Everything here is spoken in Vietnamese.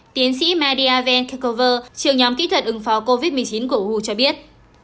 tiến sĩ maria van kekover trường nhóm kỹ thuật ứng phó covid một mươi chín của u hu cho biết